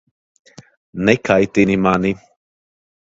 Nekaitini mani!